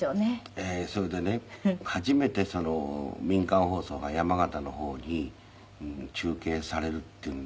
それでね初めて民間放送が山形の方に中継されるっていうんで。